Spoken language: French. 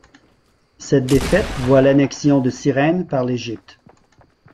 Cette défaite voit l'annexion de Cyrène par l'Égypte.